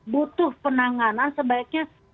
butuh penanganan sebaiknya